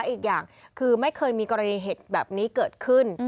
อีกอย่างคือไม่เคยมีกรณีเหตุแบบนี้เกิดขึ้น